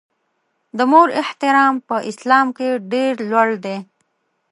د مور احترام په اسلام کې ډېر لوړ دی.